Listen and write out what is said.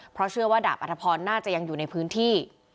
เพราะเชื่อว่าดาบอัธพรน่าจะยังอยู่ในพื้นที่